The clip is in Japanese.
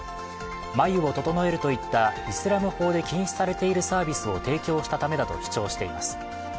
眉を整えるといった、イスラム法で禁止されているサービスを提供したためだと主張しています。